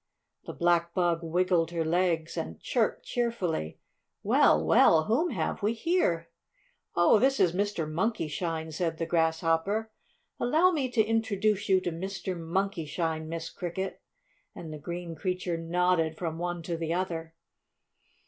The black bug wiggled her legs and chirped cheerfully: "Well, well! Whom have we here?" "Oh, this is Mr. Monkey Shine," said the Grasshopper. "Allow me to introduce you to Mr. Monkey Shine, Miss Cricket!" and the green creature nodded from one to the other.